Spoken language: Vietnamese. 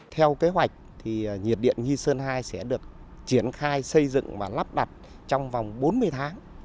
theo kế hoạch nhiệt điện nghi sơn hai sẽ được triển khai xây dựng và lắp đặt trong vòng bốn mươi tháng